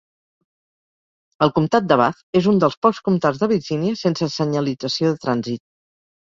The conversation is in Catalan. El comtat de Bath és un dels pocs comtats de Virgínia sense senyalització de trànsit.